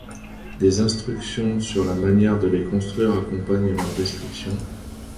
Des instructions sur la manière de les construire accompagnent leur description.